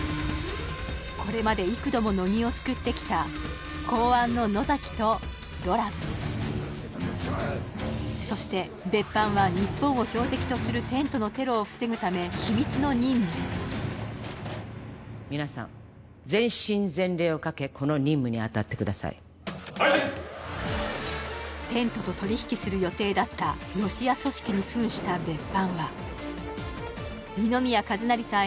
これまで幾度も乃木を救ってきた公安の野崎とドラムそして別班は日本を標的とするテントのテロを防ぐため秘密の任務へ皆さん全身全霊をかけこの任務に当たってくださいはいっテントと取り引きする予定だったは二宮和也さん